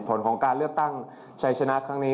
ผลของการเลือกตั้งชัยชนะครั้งนี้